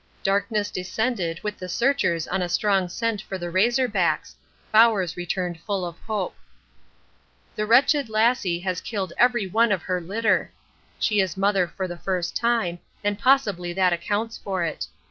Darkness descended with the searchers on a strong scent for the Razor Backs: Bowers returned full of hope. The wretched Lassie has killed every one of her litter. She is mother for the first time, and possibly that accounts for it.